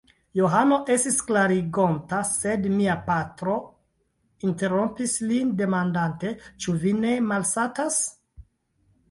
Johano estis klarigonta, sed mia patro interrompis lin demandante: Ĉu vi ne malsatas?